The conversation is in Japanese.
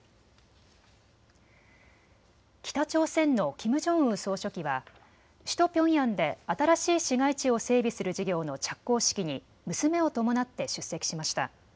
北朝鮮のキム・ジョンウン総書記は首都ピョンヤンで新しい市街地を整備する事業の着工式に娘を伴って出席しました。